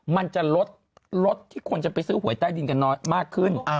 มันจะลดที่คนจะไปซื้อหวยใต้ดินกันมากขึ้น